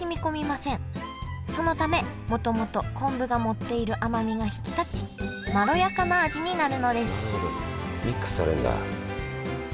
そのためもともと昆布が持っている甘みが引き立ちまろやかな味になるのですなるほどミックスされるんだ。